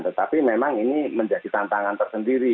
tetapi memang ini menjadi tantangan tersendiri